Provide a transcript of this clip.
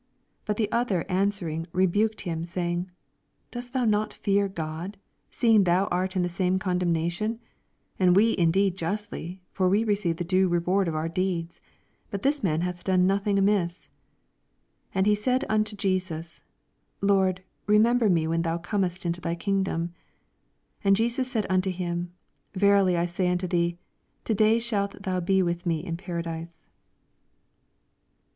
40 But the other answering rebuked him, saying, Dost not thou fear God, ■eeiLg thou art in the same coudem natioQ f 41 And we indeed justlj ; for wo receive the due reward of our deeds ; but this man hath done nothing amiss. 42 And he said unto Jesus, Lord, remember me when thou comest in to thy kingdom. 43 And Jesus said unto him, Ver ily I say unto thee, To day shalt thou be with me in paradise.